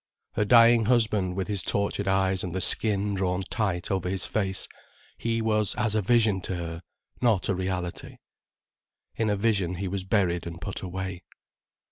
Her dying husband with his tortured eyes and the skin drawn tight over his face, he was as a vision to her, not a reality. In a vision he was buried and put away.